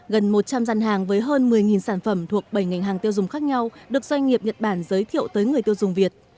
gần một trăm linh gian hàng với hơn một mươi sản phẩm thuộc bảy ngành hàng tiêu dùng khác nhau được doanh nghiệp nhật bản giới thiệu tới người tiêu dùng việt